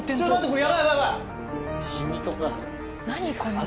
これ。